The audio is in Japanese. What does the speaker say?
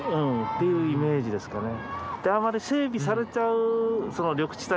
っていうイメージですかね。